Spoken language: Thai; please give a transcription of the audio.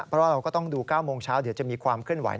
เพราะว่าเราก็ต้องดู๙โมงเช้าเดี๋ยวจะมีความเคลื่อนไหว